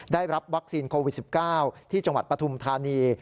ได้รับวัคซีนโควิด๑๙ที่จังหวัดปฐุมธานี